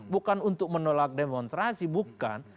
bukan untuk menolak demonstrasi bukan